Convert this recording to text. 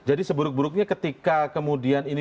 jadi seburuk buruknya ketika kemudian ini